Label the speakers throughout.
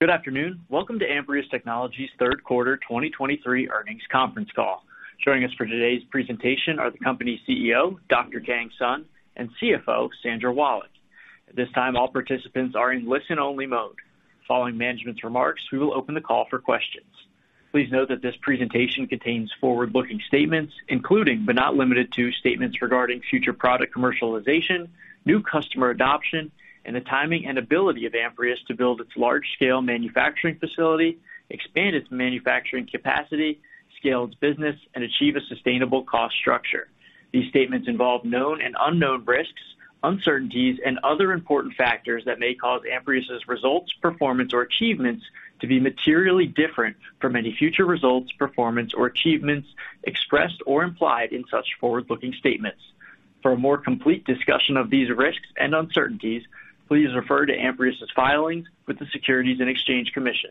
Speaker 1: Good afternoon. Welcome to Amprius Technologies' third quarter 2023 earnings conference call. Joining us for today's presentation are the company's CEO, Dr. Kang Sun, and CFO, Sandra Wallach. At this time, all participants are in listen-only mode. Following management's remarks, we will open the call for questions. Please note that this presentation contains forward-looking statements, including, but not limited to, statements regarding future product commercialization, new customer adoption, and the timing and ability of Amprius to build its large-scale manufacturing facility, expand its manufacturing capacity, scale its business, and achieve a sustainable cost structure. These statements involve known and unknown risks, uncertainties, and other important factors that may cause Amprius' results, performance, or achievements to be materially different from any future results, performance, or achievements expressed or implied in such forward-looking statements. For a more complete discussion of these risks and uncertainties, please refer to Amprius' filings with the Securities and Exchange Commission.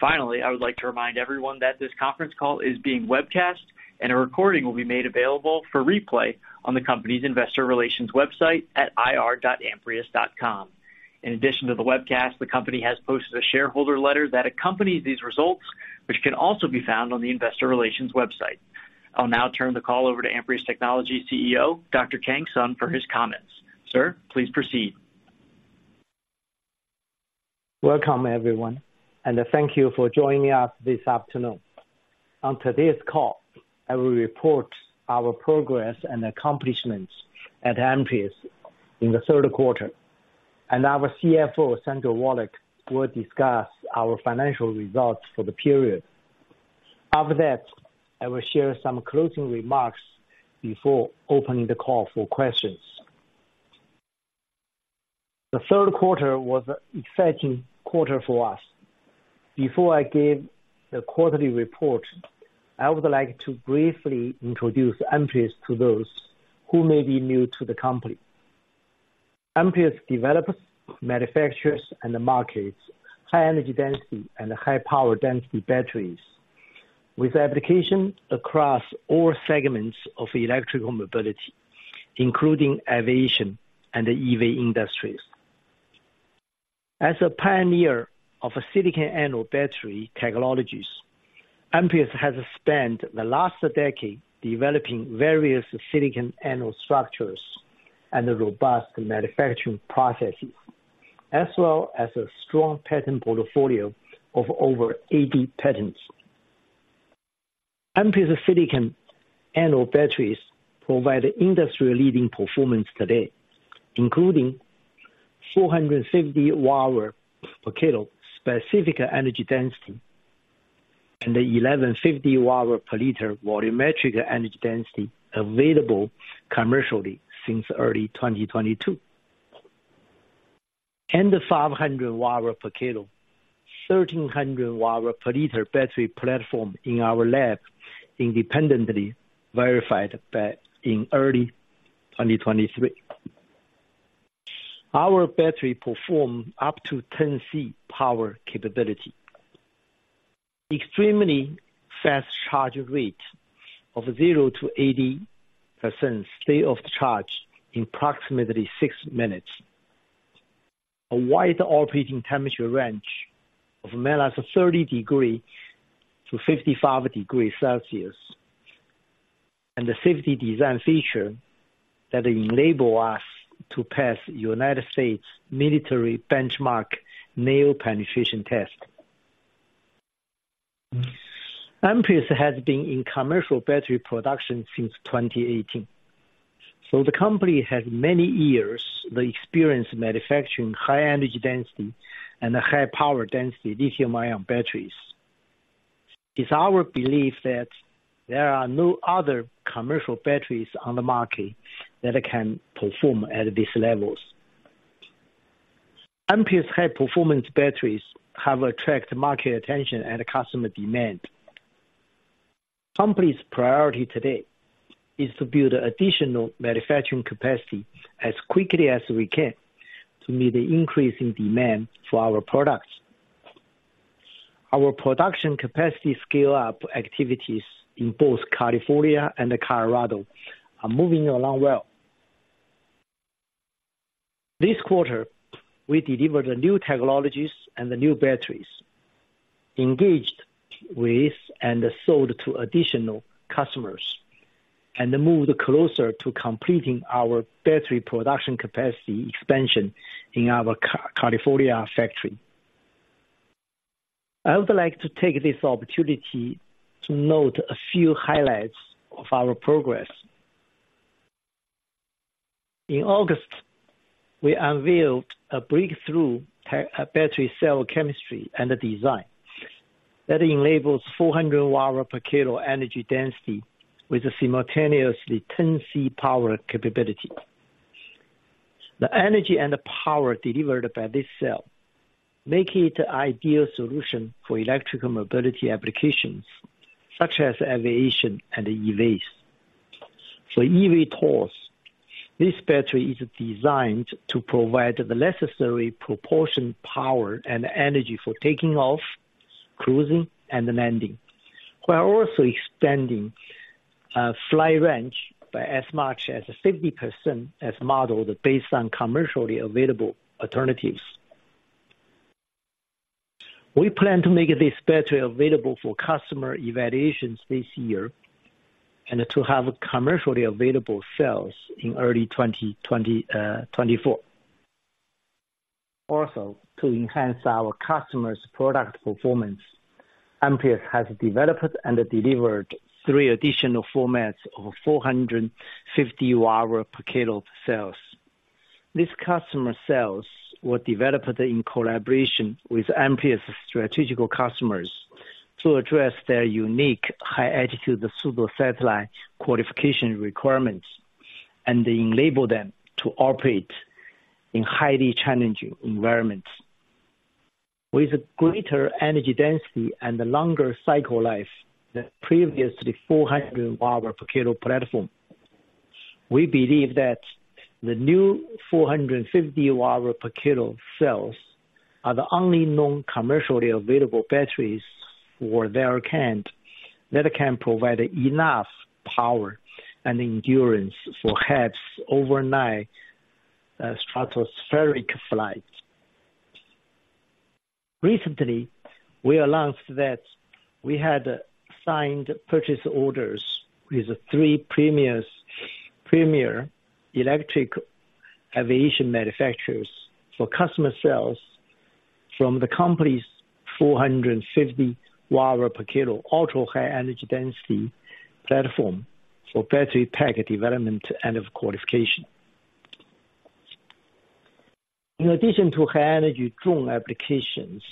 Speaker 1: Finally, I would like to remind everyone that this conference call is being webcast, and a recording will be made available for replay on the company's investor relations website at ir.amprius.com. In addition to the webcast, the company has posted a shareholder letter that accompanies these results, which can also be found on the investor relations website. I'll now turn the call over to Amprius Technologies CEO, Dr. Kang Sun, for his comments. Sir, please proceed.
Speaker 2: Welcome, everyone, and thank you for joining us this afternoon. On today's call, I will report our progress and accomplishments at Amprius in the third quarter, and our CFO, Sandra Wallach, will discuss our financial results for the period. After that, I will share some closing remarks before opening the call for questions. The third quarter was an exciting quarter for us. Before I give the quarterly report, I would like to briefly introduce Amprius to those who may be new to the company. Amprius develops, manufactures, and markets high-energy density and high-power density batteries, with application across all segments of electrical mobility, including aviation and the EV industries. As a pioneer of silicon anode battery technologies, Amprius has spent the last decade developing various silicon anode structures and robust manufacturing processes, as well as a strong patent portfolio of over 80 patents. Amprius silicon anode batteries provide industry-leading performance today, including 450 Wh/kg specific energy density and 1,150 Wh/L volumetric energy density available commercially since early 2022. The 500 Wh/kg, 1,300 Wh/L battery platform in our lab independently verified by in early 2023. Our battery perform up to 10 C power capability, extremely fast charge rate of 0%-80% state of charge in approximately six minutes, a wide operating temperature range of -30 degrees to 55 degrees Celsius, and the safety design feature that enable us to pass United States military benchmark nail penetration test. Amprius has been in commercial battery production since 2018, so the company has many years the experience manufacturing high-energy density and high-power density lithium-ion batteries. It's our belief that there are no other commercial batteries on the market that can perform at these levels. Amprius high-performance batteries have attracted market attention and customer demand. Company's priority today is to build additional manufacturing capacity as quickly as we can to meet the increasing demand for our products. Our production capacity scale-up activities in both California and Colorado are moving along well. This quarter, we delivered the new technologies and the new batteries, engaged with and sold to additional customers, and moved closer to completing our battery production capacity expansion in our California factory. I would like to take this opportunity to note a few highlights of our progress. In August, we unveiled a breakthrough battery cell chemistry and the design that enables 400 Wh/kg energy density with simultaneously 10 C power capability. The energy and the power delivered by this cell make it an ideal solution for electrical mobility applications such as aviation and EVs. For eVTOLs, this battery is designed to provide the necessary propulsion, power, and energy for taking off, cruising and landing, while also expanding flight range by as much as 50% as modeled based on commercially available alternatives. We plan to make this battery available for customer evaluations this year, and to have commercially available sales in early 2024. Also, to enhance our customers' product performance, Amprius has developed and delivered three additional formats of 450 Wh/kg cells. These customer cells were developed in collaboration with Amprius' strategic customers to address their unique high-altitude pseudo-satellite qualification requirements, and enable them to operate in highly challenging environments. With greater energy density and a longer cycle life than previously 400 Wh/kg platform, we believe that the new 450 Wh/kg cells are the only known commercially available batteries of their kind that can provide enough power and endurance for HAPS overnight stratospheric flights. Recently, we announced that we had signed purchase orders with three premier electric aviation manufacturers for customer cells from the company's 450 Wh/kg ultra-high energy density platform for battery pack development and qualification. In addition to high energy drone applications,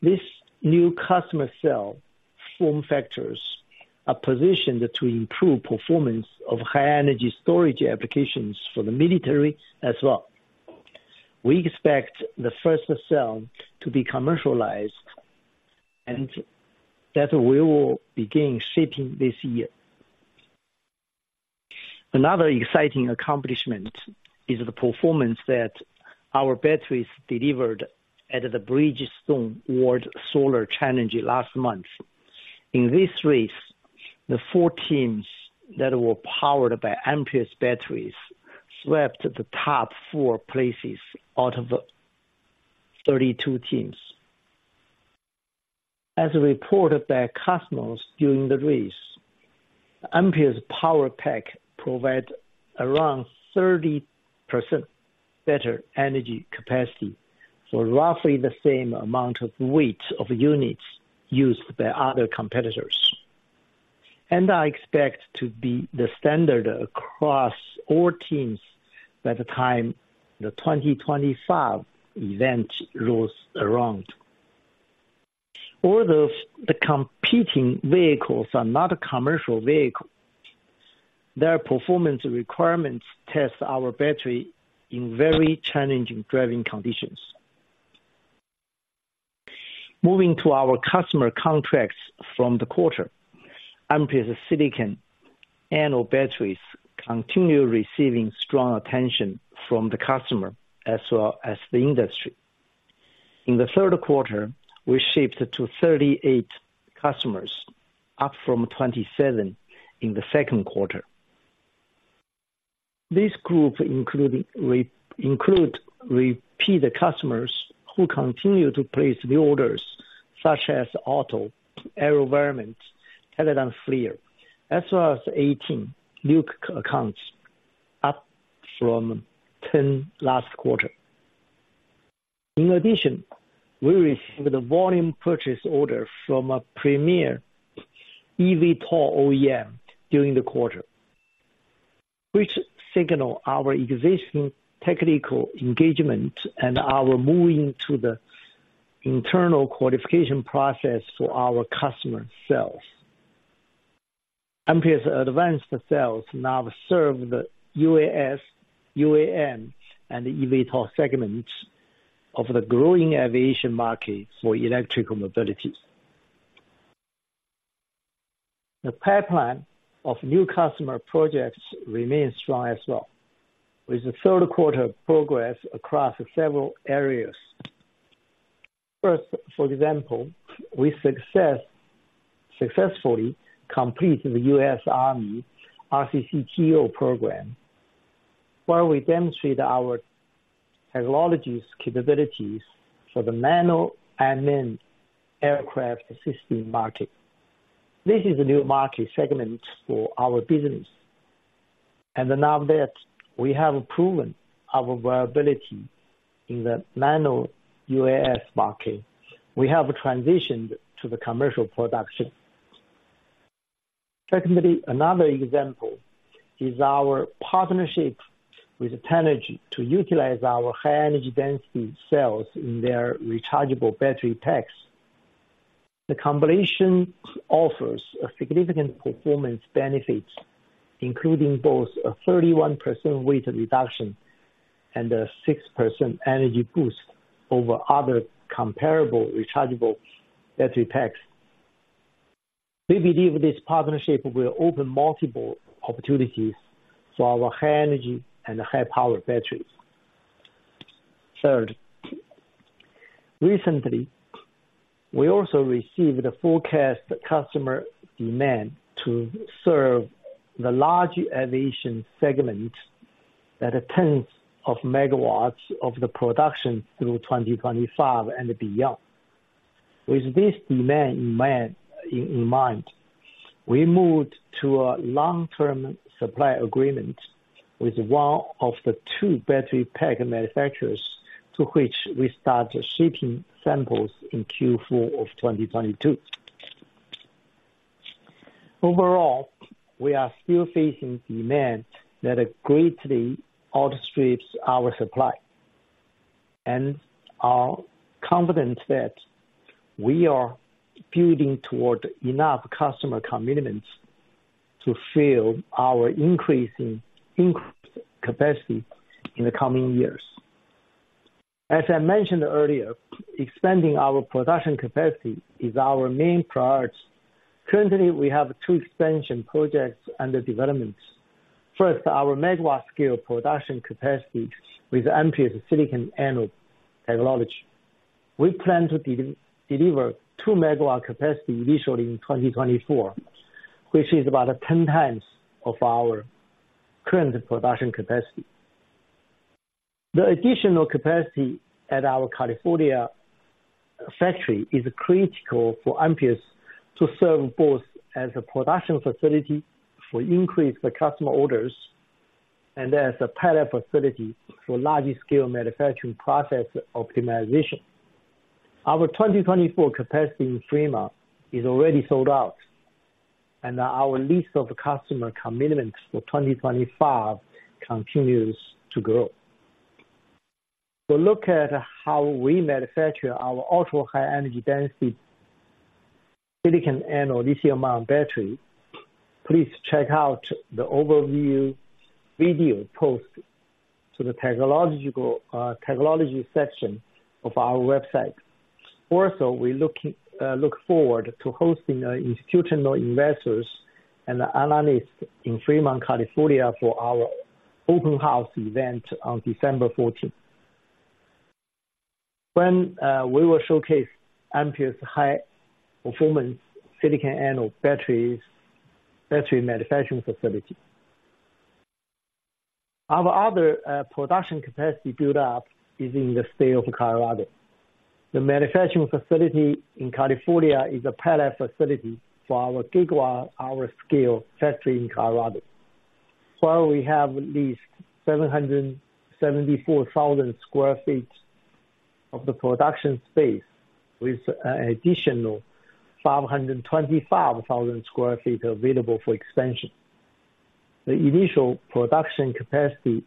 Speaker 2: this new customer cell form factors are positioned to improve performance of high energy storage applications for the military as well. We expect the first cell to be commercialized, and that we will begin shipping this year. Another exciting accomplishment is the performance that our batteries delivered at the Bridgestone World Solar Challenge last month. In this race, the four teams that were powered by Amprius batteries swept the top four places out of the 32 teams. As reported by customers during the race, Amprius power pack provide around 30% better energy capacity for roughly the same amount of weight of units used by other competitors. I expect to be the standard across all teams by the time the 2025 event rolls around. Although the competing vehicles are not a commercial vehicle, their performance requirements test our battery in very challenging driving conditions. Moving to our customer contracts from the quarter, Amprius silicon anode batteries continue receiving strong attention from the customer as well as the industry. In the third quarter, we shipped to 38 customers, up from 27 in the second quarter. This group includes repeat customers who continue to place the orders, such as AALTO, AeroVironment, Teledyne FLIR, as well as 18 new accounts, up from 10 last quarter. In addition, we received a volume purchase order from a premier eVTOL OEM during the quarter, which signal our existing technical engagement and our moving to the internal qualification process for our customer cells. Amprius advanced cells now serve the UAS, UAM and eVTOL segments of the growing aviation market for electrical mobility. The pipeline of new customer projects remains strong as well, with the third quarter progress across several areas. First, for example, we successfully completed the U.S. Army RCCTO program, where we demonstrate our technology capabilities for the nano unmanned aircraft system market. This is a new market segment for our business, and now that we have proven our viability in the nano UAS market, we have transitioned to the commercial production. Secondly, another example is our partnership with Tenergy to utilize our high energy density cells in their rechargeable battery packs. The combination offers a significant performance benefits, including both a 31% weight reduction and a 6% energy boost over other comparable rechargeable battery packs. We believe this partnership will open multiple opportunities for our high energy and high power batteries. Third, recently, we also received a forecast customer demand to serve the large aviation segment at 0.1 MW of the production through 2025 and beyond. With this demand in mind, we moved to a long-term supply agreement with one of the two battery pack manufacturers, to which we started shipping samples in Q4 of 2022. Overall, we are still facing demand that greatly outstrips our supply, and are confident that we are building toward enough customer commitments to fill our increased capacity in the coming years. As I mentioned earlier, expanding our production capacity is our main priority. Currently, we have two expansion projects under development. First, our megawatt scale production capacity with Amprius silicon anode technology. We plan to deliver two megawatt capacity initially in 2024, which is about 10 times of our current production capacity. The additional capacity at our California factory is critical for Amprius to serve both as a production facility for increased customer orders and as a pilot facility for large-scale manufacturing process optimization. Our 2024 capacity in Fremont is already sold out, and our list of customer commitments for 2025 continues to grow. To look at how we manufacture our ultra-high energy density silicon anode lithium-ion battery, please check out the overview video post to the technology section of our website. Also, we look forward to hosting institutional investors and analysts in Fremont, California, for our open house event on December 14th. When we will showcase Amprius' high-performance silicon anode batteries, battery manufacturing facility. Our other production capacity build-up is in the state of Colorado. The manufacturing facility in California is a pilot facility for our gigawatt hour scale factory in Colorado. While we have at least 774,000 sq ft of the production space, with an additional 525,000 sq ft available for expansion. The initial production capacity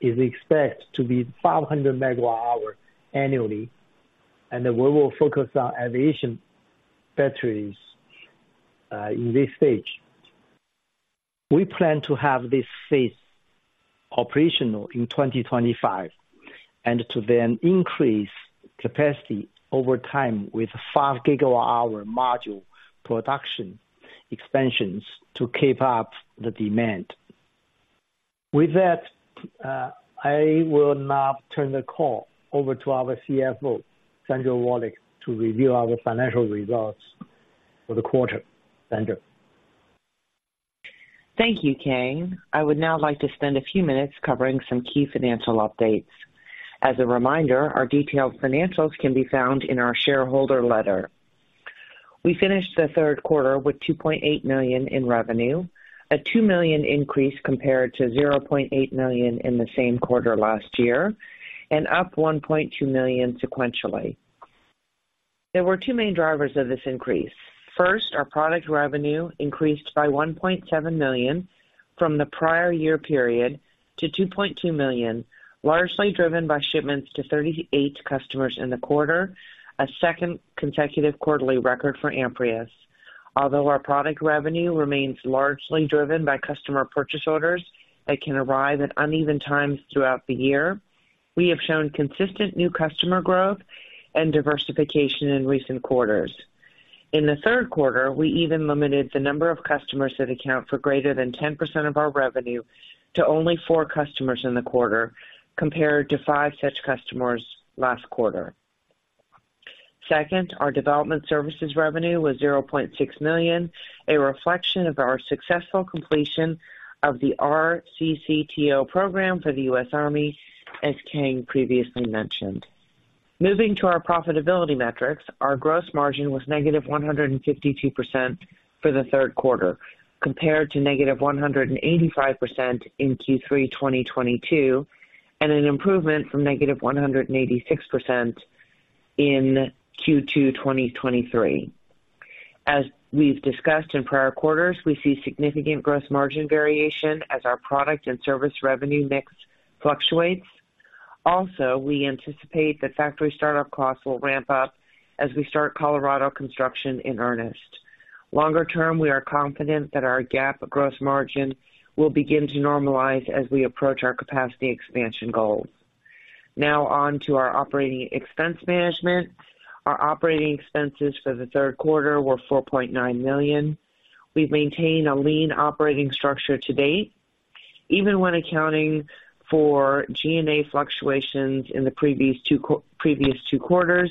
Speaker 2: is expected to be 500 MWh annually, and we will focus on aviation batteries in this stage. We plan to have this phase operational in 2025 and to then increase capacity over time with 5 GWh module production expansions to keep up the demand. With that, I will now turn the call over to our CFO, Sandra Wallach, to review our financial results for the quarter. Sandra?
Speaker 3: Thank you, Kang. I would now like to spend a few minutes covering some key financial updates. As a reminder, our detailed financials can be found in our shareholder letter. We finished the third quarter with $2.8 million in revenue, a $2 million increase compared to $0.8 million in the same quarter last year, and up $1.2 million sequentially. There were two main drivers of this increase. First, our product revenue increased by $1.7 million from the prior year period to $2.2 million, largely driven by shipments to 38 customers in the quarter, a second consecutive quarterly record for Amprius. Although our product revenue remains largely driven by customer purchase orders that can arrive at uneven times throughout the year, we have shown consistent new customer growth and diversification in recent quarters. In the third quarter, we even limited the number of customers that account for greater than 10% of our revenue to only four customers in the quarter, compared to five such customers last quarter. Second, our development services revenue was $0.6 million, a reflection of our successful completion of the RCCTO program for the U.S. Army, as Kang previously mentioned. Moving to our profitability metrics, our gross margin was -152% for the third quarter, compared to -185% in Q3 2022, and an improvement from -186% in Q2 2023. As we've discussed in prior quarters, we see significant gross margin variation as our product and service revenue mix fluctuates. Also, we anticipate that factory start-up costs will ramp up as we start Colorado construction in earnest. Longer term, we are confident that our GAAP gross margin will begin to normalize as we approach our capacity expansion goal. Now on to our operating expense management. Our operating expenses for the third quarter were $4.9 million. We've maintained a lean operating structure to date, even when accounting for G&A fluctuations in the previous two quarters,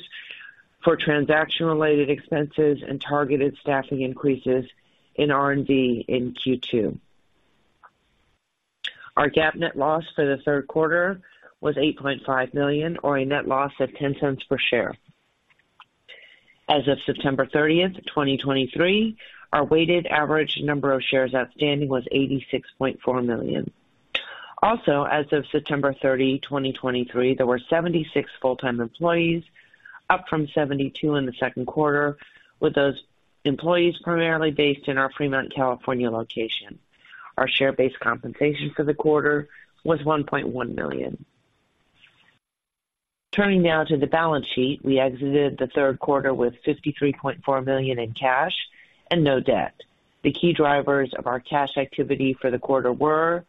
Speaker 3: for transaction-related expenses and targeted staffing increases in R&D in Q2. Our GAAP net loss for the third quarter was $8.5 million, or a net loss of $0.10 per share. As of September 30th, 2023, our weighted average number of shares outstanding was 86.4 million. Also, as of September 30, 2023, there were 76 full-time employees, up from 72 in the second quarter, with those employees primarily based in our Fremont, California, location. Our share-based compensation for the quarter was $1.1 million. Turning now to the balance sheet, we exited the third quarter with $53.4 million in cash and no debt. The key drivers of our cash activity for the quarter were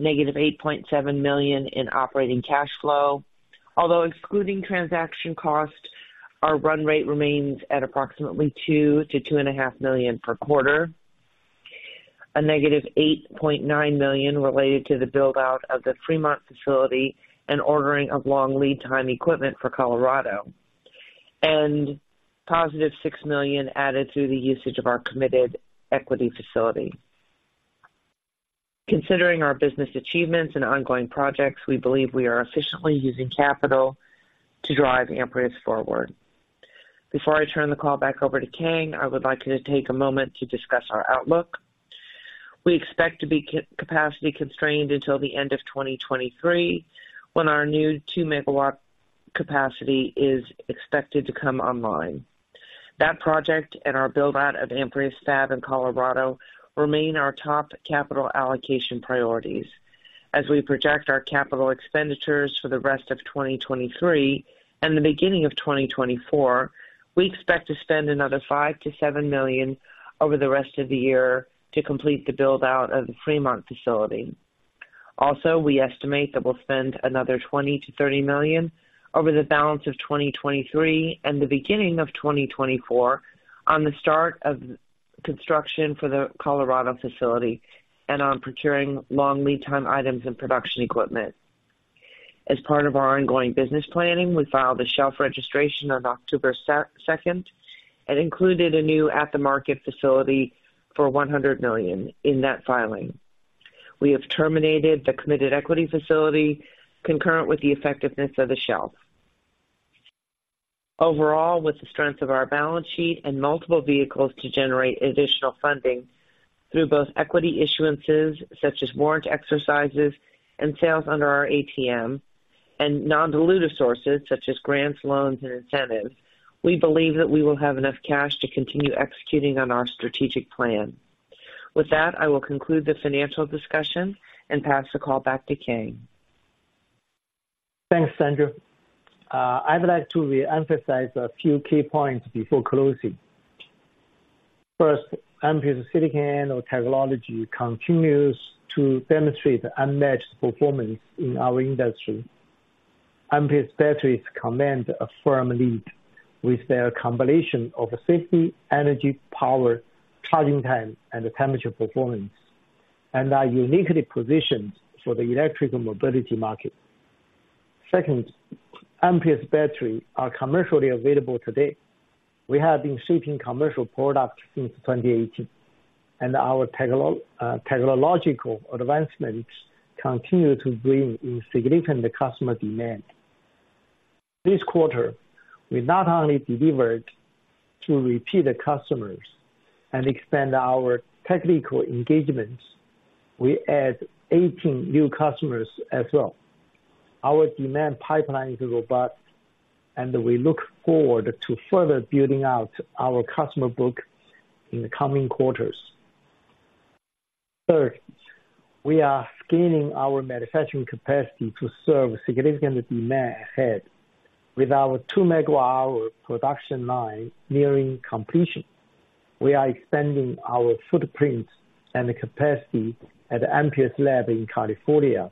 Speaker 3: -$8.7 million in operating cash flow, although excluding transaction costs, our run rate remains at approximately $2 million-$2.5 million per quarter. A -$8.9 million related to the build-out of the Fremont facility and ordering of long lead time equipment for Colorado, and +$6 million added through the usage of our committed equity facility. Considering our business achievements and ongoing projects, we believe we are efficiently using capital to drive Amprius forward. Before I turn the call back over to Kang, I would like to take a moment to discuss our outlook. We expect to be capacity constrained until the end of 2023, when our new 2 MW capacity is expected to come online. That project and our build-out of Amprius Fab in Colorado remain our top capital allocation priorities. As we project our capital expenditures for the rest of 2023 and the beginning of 2024, we expect to spend another $5 million-$7 million over the rest of the year to complete the build-out of the Fremont facility. Also, we estimate that we'll spend another $20 million-$30 million over the balance of 2023 and the beginning of 2024 on the start of construction for the Colorado facility and on procuring long lead time items and production equipment. As part of our ongoing business planning, we filed a shelf registration on October 2 and included a new at-the-market facility for $100 million in that filing. We have terminated the committed equity facility concurrent with the effectiveness of the shelf. Overall, with the strength of our balance sheet and multiple vehicles to generate additional funding through both equity issuances, such as warrant exercises and sales under our ATM, and non-dilutive sources such as grants, loans, and incentives, we believe that we will have enough cash to continue executing on our strategic plan. With that, I will conclude the financial discussion and pass the call back to Kang.
Speaker 2: Thanks, Sandra. I would like to reemphasize a few key points before closing. First, Amprius silicon anode technology continues to demonstrate unmatched performance in our industry. Amprius batteries command a firm lead with their combination of safety, energy, power, charging time, and temperature performance, and are uniquely positioned for the electric mobility market. Second, Amprius batteries are commercially available today. We have been shipping commercial products since 2018, and our technological advancements continue to bring in significant customer demand. This quarter, we not only delivered to repeat customers and expand our technical engagements, we add 18 new customers as well. Our demand pipeline is robust, and we look forward to further building out our customer book in the coming quarters. Third, we are scaling our manufacturing capacity to serve significant demand ahead. With our 2 MWh production line nearing completion, we are expanding our footprint and capacity at the Amprius Lab in California.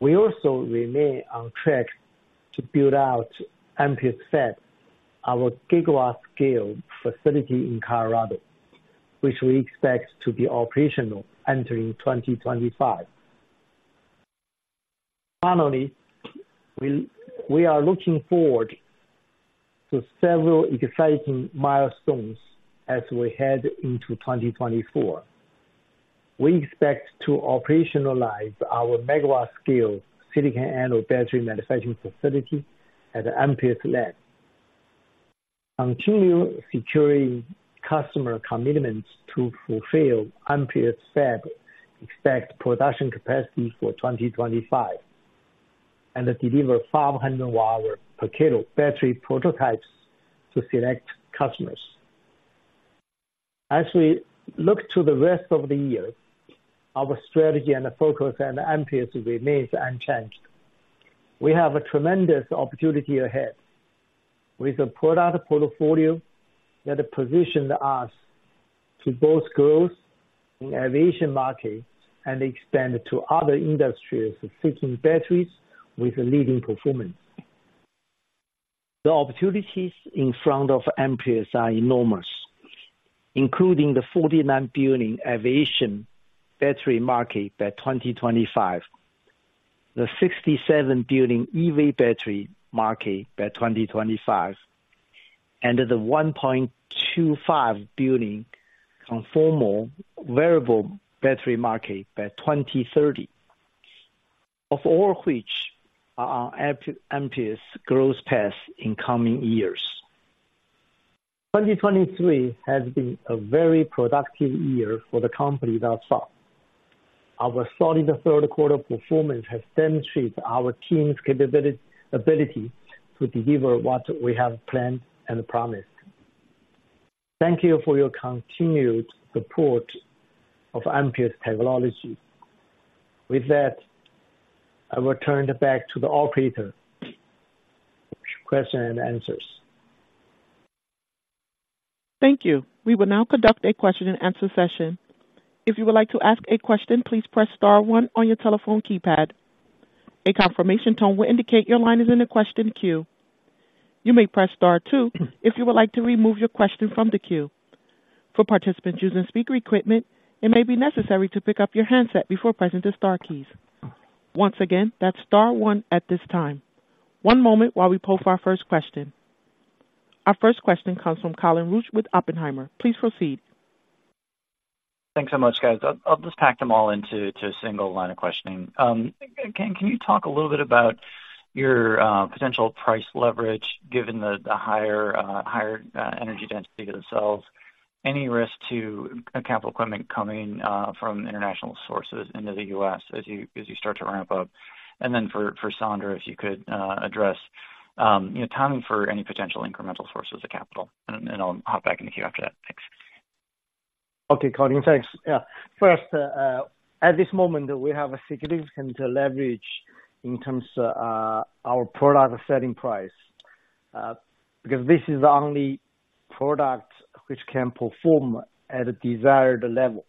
Speaker 2: We also remain on track to build out Amprius Fab, our gigawatt-scale facility in Colorado, which we expect to be operational entering 2025. Finally, we are looking forward to several exciting milestones as we head into 2024. We expect to operationalize our megawatt-scale silicon anode battery manufacturing facility at the Amprius Lab, continue securing customer commitments to fulfill Amprius Fab, expect production capacity for 2025, and deliver 500 Wh/kg battery prototypes to select customers. As we look to the rest of the year, our strategy and focus at Amprius remains unchanged. We have a tremendous opportunity ahead.... With a product portfolio that positioned us to both growth in aviation market and extend to other industries seeking batteries with a leading performance. The opportunities in front of Amprius are enormous, including the $49 billion aviation battery market by 2025, the $67 billion EV battery market by 2025, and the $1.25 billion conformal wearable battery market by 2030, all of which are on Amprius' growth path in coming years. 2023 has been a very productive year for the company thus far. Our solid third quarter performance has demonstrated our team's capability to deliver what we have planned and promised. Thank you for your continued support of Amprius Technologies. With that, I will turn it back to the operator. Questions and answers.
Speaker 1: Thank you. We will now conduct a question and answer session. If you would like to ask a question, please press star one on your telephone keypad. A confirmation tone will indicate your line is in the question queue. You may press star two if you would like to remove your question from the queue. For participants using speaker equipment, it may be necessary to pick up your handset before pressing the star keys. Once again, that's star one at this time. One moment while we poll for our first question. Our first question comes from Colin Rusch with Oppenheimer. Please proceed.
Speaker 4: Thanks so much, guys. I'll just pack them all into a single line of questioning. Can you talk a little bit about your potential price leverage given the higher energy density of the cells? Any risk to capital equipment coming from international sources into the U.S. as you start to ramp up? And then for Sandra, if you could address you know, timing for any potential incremental sources of capital, and then I'll hop back in the queue after that. Thanks.
Speaker 2: Okay, Colin. Thanks. Yeah. First, at this moment, we have a significant leverage in terms of our product selling price, because this is the only product which can perform at a desired level,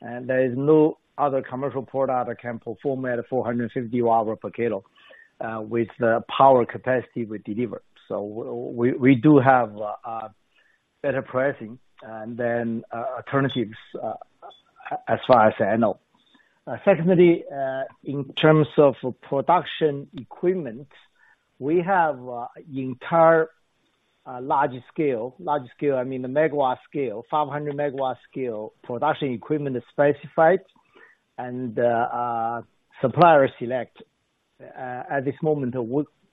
Speaker 2: and there is no other commercial product that can perform at a 450 Wh/kg, with the power capacity we deliver. So we do have better pricing than alternatives, as far as I know. Secondly, in terms of production equipment, we have entire large scale. Large scale, I mean, the megawatt scale, 500 MW scale production equipment is specified and supplier selected at this moment,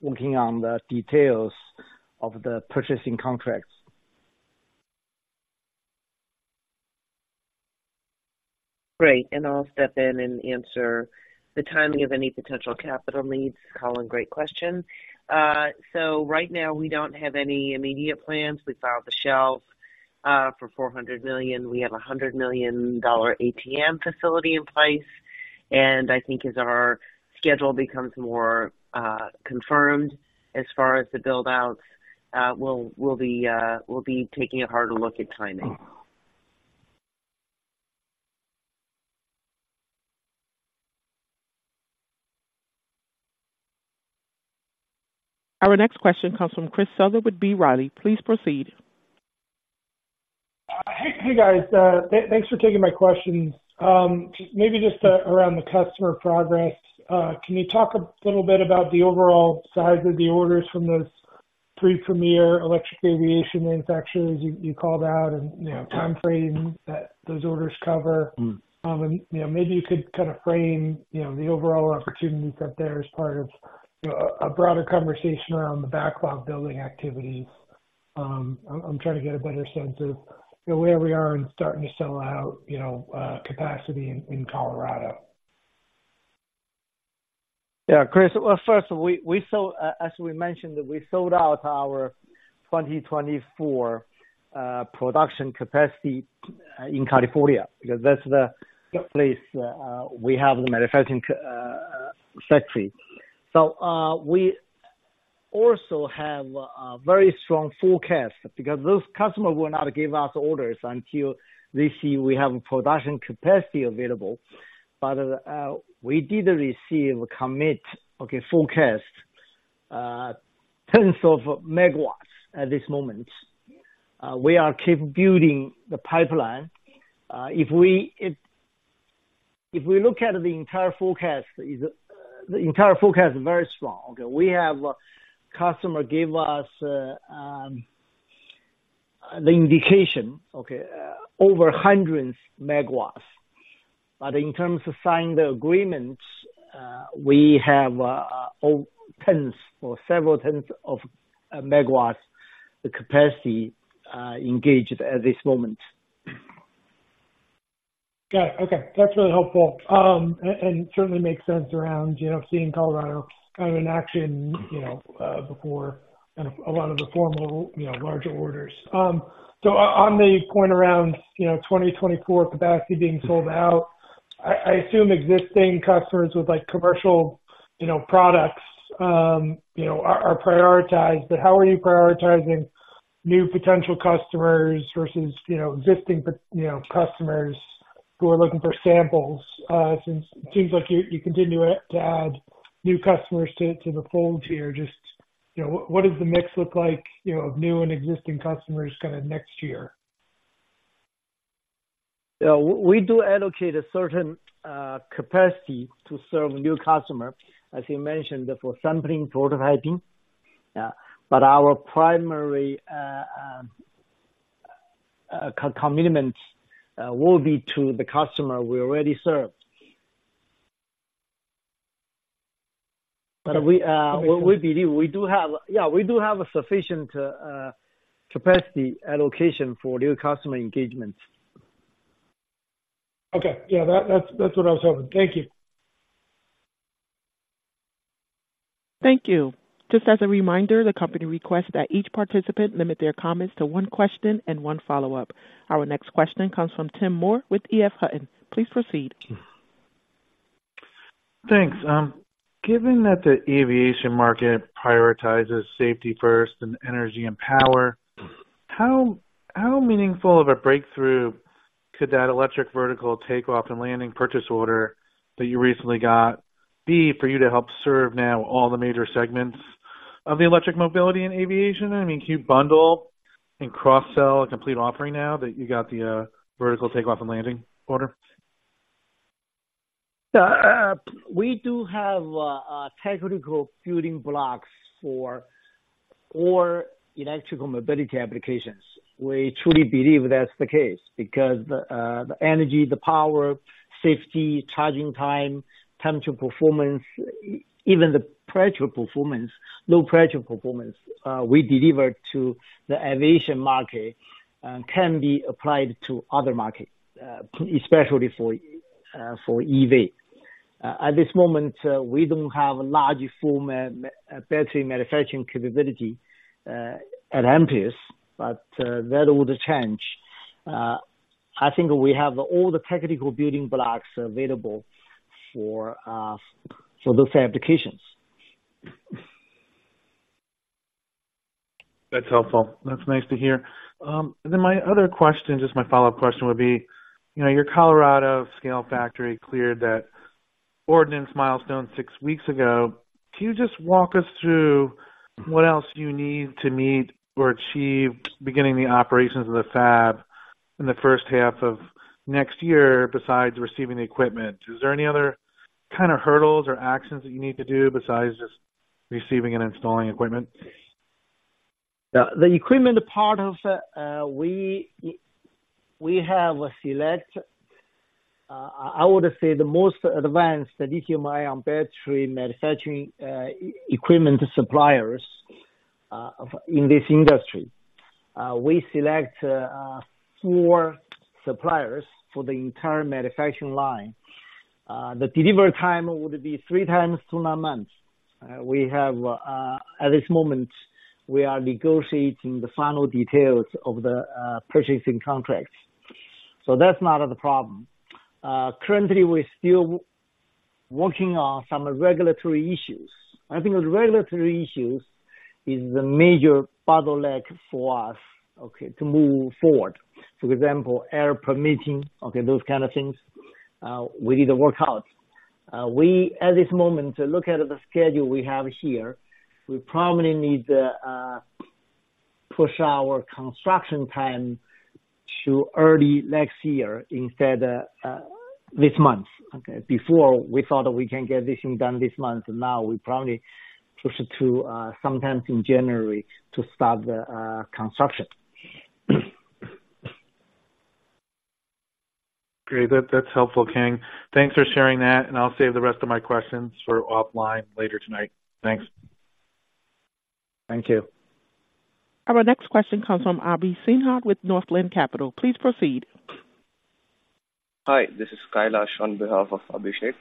Speaker 2: working on the details of the purchasing contracts.
Speaker 3: Great, and I'll step in and answer the timing of any potential capital needs. Colin, great question. So right now we don't have any immediate plans. We filed the shelf for $400 million. We have a $100 million ATM facility in place, and I think as our schedule becomes more confirmed as far as the build-outs, we'll be taking a harder look at timing.
Speaker 1: Our next question comes from Chris Souther with B. Riley. Please proceed.
Speaker 5: Hey, hey, guys, thanks for taking my questions. Maybe just around the customer progress. Can you talk a little bit about the overall size of the orders from those premier electric aviation manufacturers you called out and, you know, time frame that those orders cover?
Speaker 2: Mm.
Speaker 5: You know, maybe you could kind of frame, you know, the overall opportunities out there as part of, you know, a broader conversation around the backlog building activity. I'm trying to get a better sense of where we are in starting to sell out, you know, capacity in Colorado.
Speaker 2: Yeah. Chris, well, first, as we mentioned, we sold out our 2024 production capacity in California, because that's the place we have the manufacturing factory. So, we also have a very strong forecast because those customers will not give us orders until they see we have production capacity available. But, we did receive commit, okay, forecast, tens of megawatts at this moment. We are keep building the pipeline. If we look at the entire forecast, the entire forecast is very strong. Okay, we have customer give us the indication, okay, over hundreds megawatts. But in terms of signing the agreements, we have tens or several tens of megawatts, the capacity engaged at this moment.
Speaker 5: Got it. Okay. That's really helpful, and certainly makes sense around, you know, seeing Colorado kind of in action, you know, before kind of a lot of the formal, you know, larger orders. So on the point around, you know, 2024 capacity being sold out. I assume existing customers with like commercial, you know, products, you know, are prioritized. But how are you prioritizing new potential customers versus, you know, existing, you know, customers who are looking for samples? Since it seems like you continue to add new customers to the fold here, just, you know, what does the mix look like, you know, of new and existing customers kind of next year?
Speaker 2: Yeah. We do allocate a certain capacity to serve new customer, as you mentioned, for sampling, prototyping. But our primary commitment will be to the customer we already serve. But we believe we do have... Yeah, we do have a sufficient capacity allocation for new customer engagements.
Speaker 5: Okay. Yeah, that's what I was hoping. Thank you.
Speaker 1: Thank you. Just as a reminder, the company requests that each participant limit their comments to one question and one follow-up. Our next question comes from Tim Moore with EF Hutton. Please proceed.
Speaker 6: Thanks. Given that the aviation market prioritizes safety first and energy and power, how meaningful of a breakthrough could that electric vertical take-off and landing purchase order that you recently got be for you to help serve now all the major segments of the electric mobility and aviation? I mean, can you bundle and cross-sell a complete offering now that you got the vertical take-off and landing order?
Speaker 2: Yeah. We do have a technical building blocks for all electrical mobility applications. We truly believe that's the case because the energy, the power, safety, charging time, temperature performance, even the pressure performance, low pressure performance we deliver to the aviation market can be applied to other markets, especially for EV. At this moment, we don't have a large-form battery manufacturing capability at Amprius, but that would change. I think we have all the technical building blocks available for those applications.
Speaker 6: That's helpful. That's nice to hear. Then my other question, just my follow-up question, would be, you know, your Colorado scale factory cleared that ordinance milestone six weeks ago. Can you just walk us through what else you need to meet or achieve beginning the operations of the fab in the first half of next year, besides receiving the equipment? Is there any other kind of hurdles or actions that you need to do besides just receiving and installing equipment?
Speaker 2: The equipment part of, we have a select, I would say, the most advanced lithium-ion battery manufacturing equipment suppliers in this industry. We select four suppliers for the entire manufacturing line. The delivery time would be three times two months. We have, at this moment, we are negotiating the final details of the purchasing contract. So that's not a problem. Currently, we're still working on some regulatory issues. I think the regulatory issues is the major bottleneck for us, okay, to move forward. For example, air permitting, okay, those kind of things, we need to work out. We, at this moment, look at the schedule we have here, we probably need to push our construction time to early next year instead of this month, okay? Before we thought we can get this thing done this month, now we probably push it to sometime in January to start the construction.
Speaker 6: Great. That, that's helpful, Kang. Thanks for sharing that, and I'll save the rest of my questions for offline later tonight. Thanks.
Speaker 2: Thank you.
Speaker 1: Our next question comes from Abhi Sinha with Northland Capital. Please proceed.
Speaker 7: Hi, this is Kailash on behalf of Abhishek.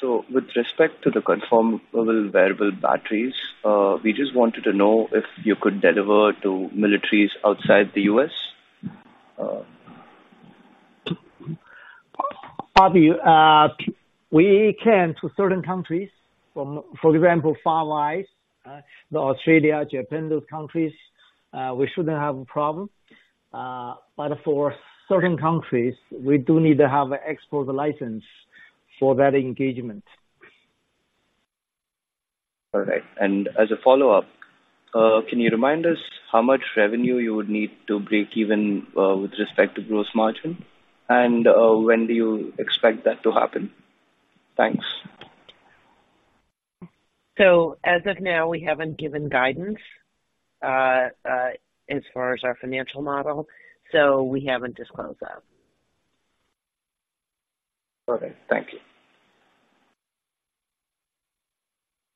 Speaker 7: So with respect to the conformable variable batteries, we just wanted to know if you could deliver to militaries outside the U.S.?
Speaker 2: Abhi, we can to certain countries, from, for example, far wide, Australia, Japan, those countries, we shouldn't have a problem. But for certain countries, we do need to have an export license for that engagement.
Speaker 7: All right. As a follow-up, can you remind us how much revenue you would need to break even, with respect to gross margin? When do you expect that to happen? Thanks.
Speaker 5: As of now, we haven't given guidance as far as our financial model, so we haven't disclosed that.
Speaker 7: Perfect. Thank you.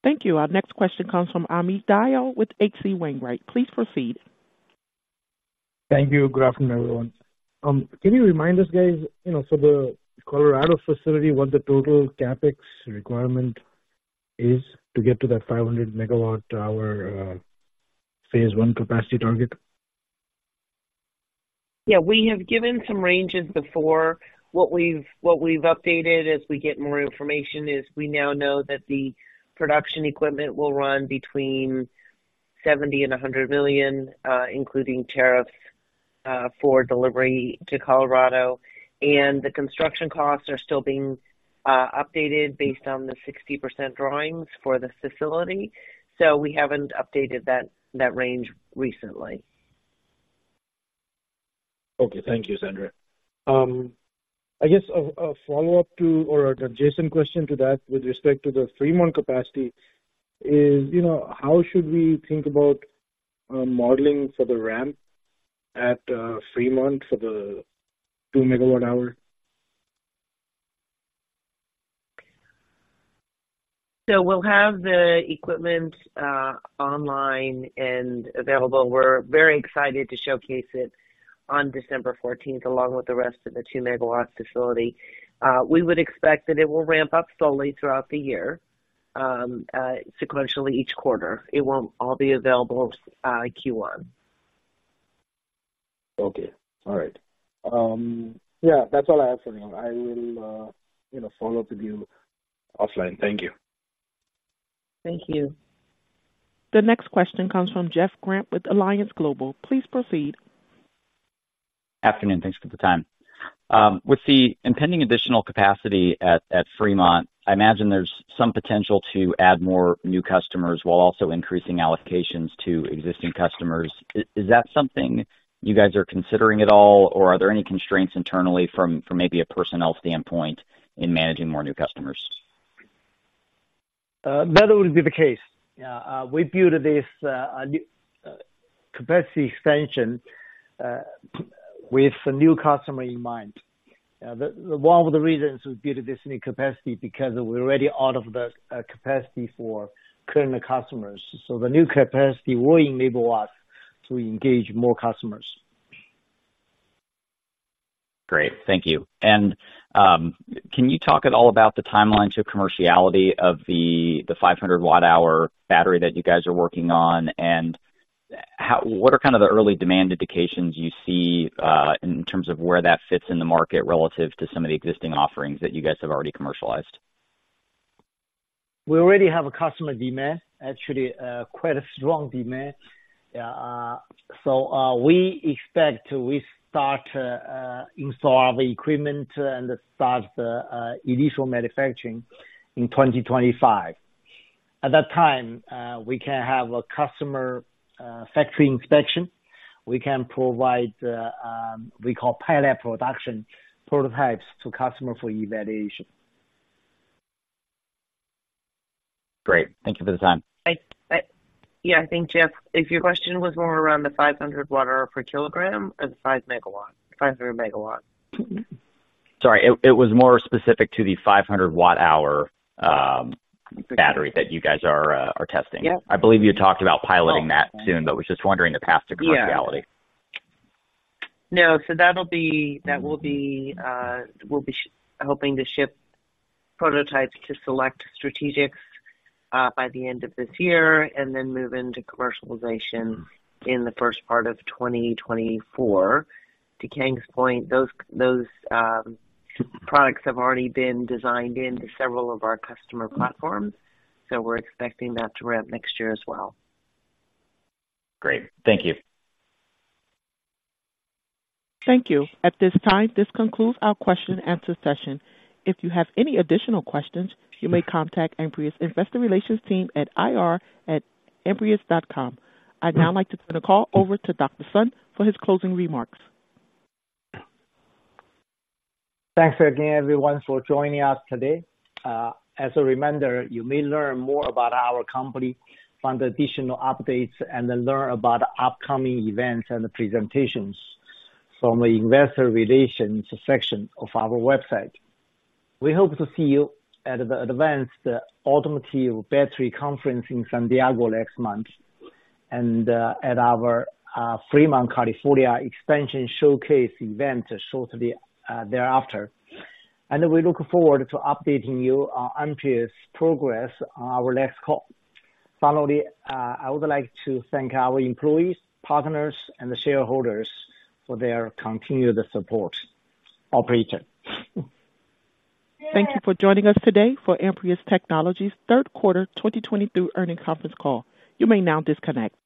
Speaker 1: Thank you. Our next question comes from Amit Dayal with H.C. Wainwright. Please proceed.
Speaker 8: Thank you. Good afternoon, everyone. Can you remind us, guys, you know, for the Colorado facility, what the total CapEx requirement is to get to that 500 MWh phase one capacity target?...
Speaker 3: Yeah, we have given some ranges before. What we've updated as we get more information is we now know that the production equipment will run between $70 million-$100 million, including tariffs, for delivery to Colorado. And the construction costs are still being updated based on the 60% drawings for this facility. So we haven't updated that range recently.
Speaker 8: Okay. Thank you, Sandra. I guess a follow-up to, or an adjacent question to that with respect to the Fremont capacity is, you know, how should we think about modeling for the ramp at Fremont for the 2 MWh?
Speaker 3: So we'll have the equipment online and available. We're very excited to showcase it on December 14th, along with the rest of the 2 MW facility. We would expect that it will ramp up slowly throughout the year, sequentially each quarter. It won't all be available Q1.
Speaker 8: Okay. All right. Yeah, that's all I have for now. I will, you know, follow up with you offline. Thank you.
Speaker 1: Thank you. The next question comes from Jeff Grampp with Alliance Global. Please proceed.
Speaker 9: Afternoon. Thanks for the time. With the impending additional capacity at Fremont, I imagine there's some potential to add more new customers while also increasing allocations to existing customers. Is that something you guys are considering at all, or are there any constraints internally from maybe a personnel standpoint in managing more new customers?
Speaker 2: That would be the case. Yeah. We built this capacity expansion with the new customer in mind. One of the reasons we built this new capacity, because we're already out of the capacity for current customers. So the new capacity will enable us to engage more customers.
Speaker 9: Great. Thank you. And can you talk at all about the timeline to commerciality of the 500 Wh battery that you guys are working on? And how... What are kind of the early demand indications you see in terms of where that fits in the market relative to some of the existing offerings that you guys have already commercialized?
Speaker 2: We already have a customer demand, actually, quite a strong demand. So, we expect we start, install the equipment and start the initial manufacturing in 2025. At that time, we can have a customer factory inspection. We can provide, we call pilot production prototypes to customer for evaluation.
Speaker 9: Great. Thank you for the time.
Speaker 3: Yeah, I think, Jeff, if your question was more around the 500 Wh/kg or the 5 MW, 500 MW?
Speaker 9: Sorry, it was more specific to the 500 MWh battery that you guys are testing.
Speaker 3: Yep.
Speaker 9: I believe you talked about piloting that soon, but was just wondering the path to commerciality.
Speaker 3: Yeah. No, so that'll be, that will be, we'll be hoping to ship prototypes to select strategics by the end of this year and then move into commercialization in the first part of 2024. To Kang's point, those products have already been designed into several of our customer platforms, so we're expecting that to ramp next year as well.
Speaker 9: Great. Thank you.
Speaker 1: Thank you. At this time, this concludes our question and answer session. If you have any additional questions, you may contact Amprius investor relations team at ir@amprius.com. I'd now like to turn the call over to Dr. Sun for his closing remarks.
Speaker 2: Thanks again, everyone, for joining us today. As a reminder, you may learn more about our company, find additional updates, and then learn about upcoming events and presentations from the investor relations section of our website. We hope to see you at the Advanced Automotive Battery Conference in San Diego next month and at our Fremont, California, expansion showcase event shortly thereafter. We look forward to updating you on Amprius' progress on our next call. Finally, I would like to thank our employees, partners and shareholders for their continued support. Operator?
Speaker 1: Thank you for joining us today for Amprius Technologies' third quarter 2022 earnings conference call. You may now disconnect.